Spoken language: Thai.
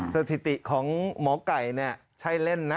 สถิติของหมอไก่เนี่ยใช่เล่นนะ